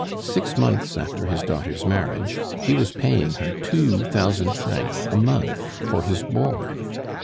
Six months after his daughter's marriage he was paying her two thousand francs a month for his board.